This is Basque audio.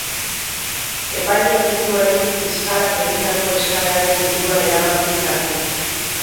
Epaileak ez du oraindik fiskalak egindako eskaeraren inguruan erabakirik hartu.